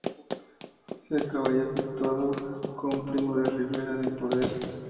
Se acabaría efectuando con Primo de Rivera en el poder.